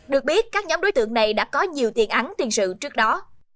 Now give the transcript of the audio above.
được biết các nhóm đối tượng này đã có nhiều tiền án tiền sự trước đó